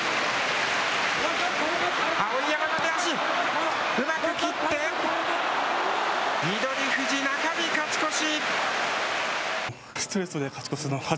碧山の出足、うまく切って、翠富士、中日勝ち越し。